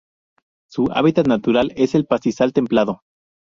Su hábitat natural es el pastizal templado.